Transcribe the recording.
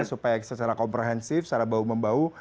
supaya secara komprehensif secara bau membau